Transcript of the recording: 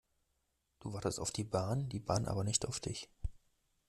Du wartest auf die Bahn, die Bahn aber nicht auf dich.